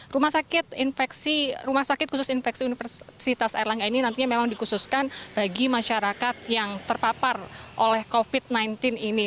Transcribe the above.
rumah sakit rumah sakit khusus infeksi universitas erlangga ini nantinya memang dikhususkan bagi masyarakat yang terpapar oleh covid sembilan belas ini